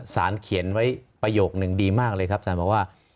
สารเขียนไว้ประโยคนึงดีมากเลยครับสารบอกว่า